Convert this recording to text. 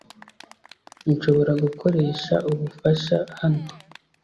Nshobora gukoresha ubufasha hano